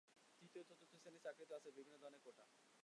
তৃতীয় ও চতুর্থ শ্রেণির চাকরিতেও আছে বিভিন্ন ধরনের কোটা।